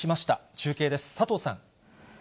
中継です、佐藤さん。